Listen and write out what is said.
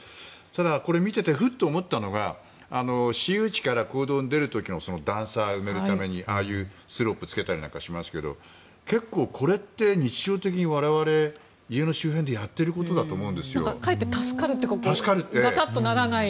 これを見ていてふっと思ったのが私有地から公道に出る時の段差を埋めるためにああいうスロープをつけたりしますが結構これって日常的に我々家の周辺でかえって助かるというかガタッとならないで。